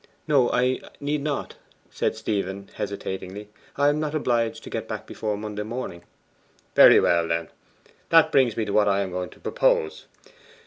'No; I need not,' said Stephen hesitatingly. 'I am not obliged to get back before Monday morning.' 'Very well, then, that brings me to what I am going to propose.